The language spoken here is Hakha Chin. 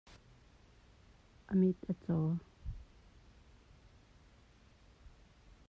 A mit a caw.